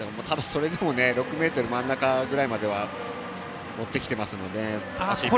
それでも６ｍ真ん中くらいまでは持ってきていますので。